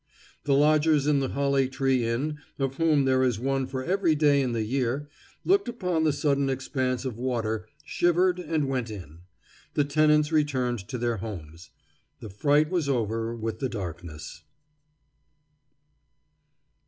The lodgers in the Holly Tree Inn, of whom there is one for every day in the year, looked upon the sudden expanse of water, shivered, and went in. The tenants returned to their homes. The fright was over with the darkness.